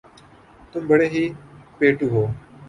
تم بڑے ہی پیٹُو ہو